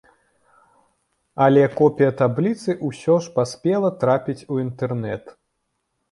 Але копія табліцы ўсё ж паспела трапіць у інтэрнэт.